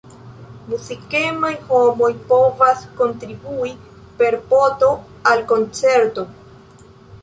Muzikemaj homoj povas kontribui per po-to al koncerto.